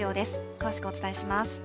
詳しくお伝えします。